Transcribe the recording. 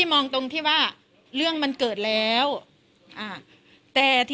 กินโทษส่องแล้วอย่างนี้ก็ได้